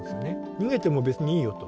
「逃げても別にいいよ」と。